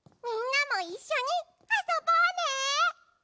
みんなもいっしょにあそぼうね！